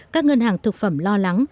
các ngân hàng thực phẩm lo lắng